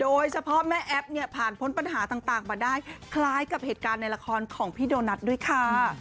แม่แอ๊บเนี่ยผ่านพ้นปัญหาต่างมาได้คล้ายกับเหตุการณ์ในละครของพี่โดนัทด้วยค่ะ